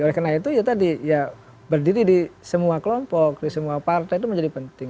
oleh karena itu ya tadi ya berdiri di semua kelompok di semua partai itu menjadi penting